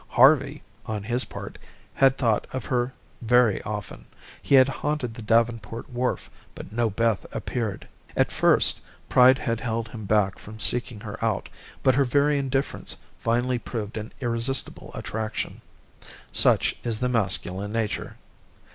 Harvey, on his part, had thought of her very often. He had haunted the Davenport wharf, but no Beth appeared. At first, pride had held him back from seeking her out, but her very indifference finally proved an irresistible attraction. Such is the masculine nature.